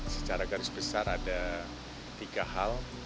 secara garis besar ada tiga hal